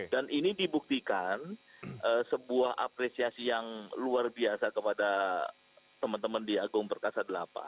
dan ini dibuktikan sebuah apresiasi yang luar biasa kepada teman teman di agung perkasa delapan